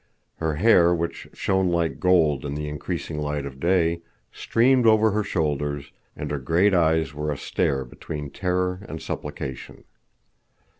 Her hair, which shone like gold in the increasing light of day, streamed over her shoulders, and her great eyes were astare between terror and supplication.